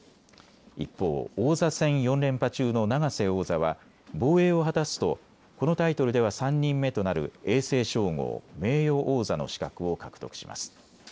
一方、王座戦４連覇中の永瀬王座は防衛を果たすとこのタイトルでは３人目となる永世称号、名誉王座の資格を獲得します。